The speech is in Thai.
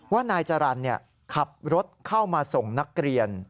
นายจรรย์ขับรถเข้ามาส่งนักเรียน